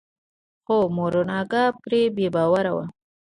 خو مورګان پرې بې باوره و.